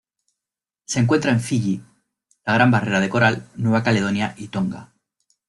Se encuentra en Fiyi, la Gran Barrera de Coral, Nueva Caledonia y Tonga.